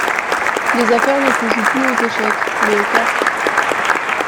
Les affaires ne se jouent plus aux échecs, mais aux cartes.